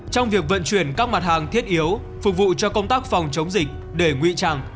trong việc vận chuyển các mặt hàng thiết yếu phục vụ cho công tác phòng chống dịch để ngụy trang